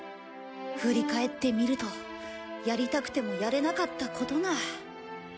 振り返ってみるとやりたくてもやれなかったことがいっぱいだ。